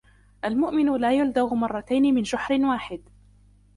المؤمن لا يُلذغ مرتين من جحر واحد.